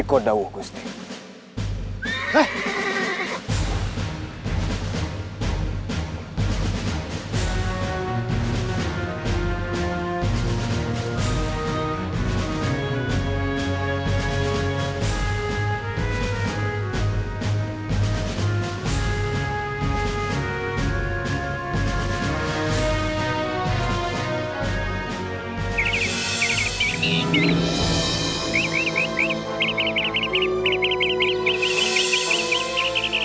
aku akan mencari dia